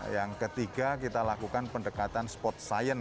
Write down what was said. yang ketiga kita lakukan pendekatan sport science